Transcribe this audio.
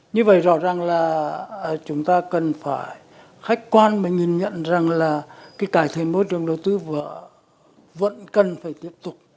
như vậy rõ ràng là chúng ta cần phải khách quan và nhìn nhận rằng là cái cải thiện môi trường đầu tư vẫn cần phải tiếp tục